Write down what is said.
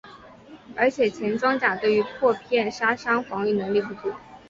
而且前装甲对于破片杀伤防御能力不足。